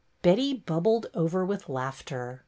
Betty bubbled over with laughter.